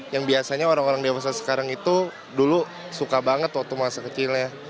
yang biasanya orang orang dewasa sekarang itu dulu suka banget waktu masa kecil ya